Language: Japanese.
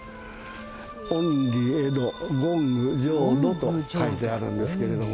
厭離穢土欣求浄土と書いてあるんですけれども。